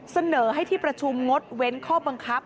เสนอให้ที่ประชุมงดเว้นข้อบังคับ